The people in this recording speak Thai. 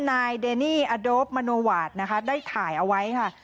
นายเดนี่อะโดบมโหนวาทได้ถ่ายเอาไว้ค่ะ